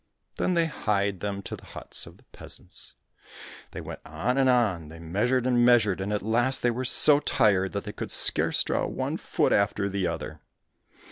Then they hied them to the huts of the peasants. They went on and on, they measured and measured, and at last they were so tired that they could scarce draw one foot after the other.